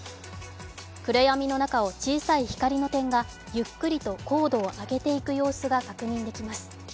暗闇の中を小さい光の点がゆっくりと高度を上げていく様子が確認できます。